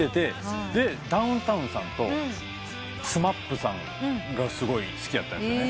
でダウンタウンさんとＳＭＡＰさんがすごい好きやったんすよね。